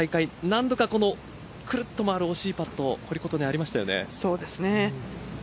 何度かくるっと回る惜しいパットありました。